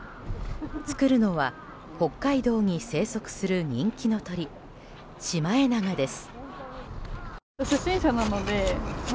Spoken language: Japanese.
作るのは北海道に生息する人気の鳥シマエナガです。